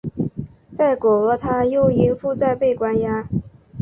在果阿他又因负债被关押。